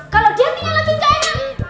kalau dia tinggal lagi gak enak